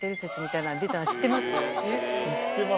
知ってます？